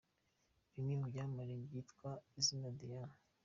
Bimwe mu byamamare byitwa izina Diane.